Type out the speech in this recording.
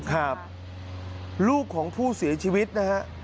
ครับลูกของผู้เสียชีวิตนะฮะ